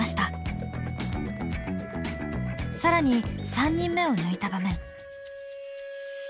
更に３人目を抜いた場面。